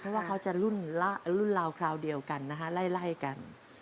เพราะว่าเขาจะรุ่นราวคราวเดียวกันนะคะไล่กัน